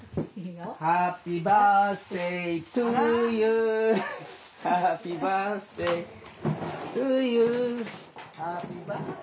「ハッピーバースデートゥユー」「ハッピーバースデートゥユー」